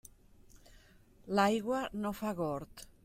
L'aigua no fa gord.